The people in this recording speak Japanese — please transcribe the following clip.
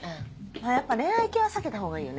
やっぱ恋愛系は避けたほうがいいよね。